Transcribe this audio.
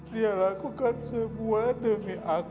dia lakukan semua demi aku